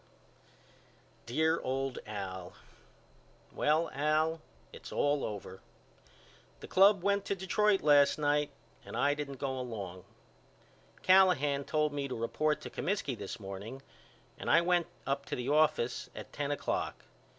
DEAR OLD AL: Well Al it's all over. The club went to Detroit last night and I didn't go along. Callahan told me to report to Comiskey this morning and I went up to the office at ten o'clock.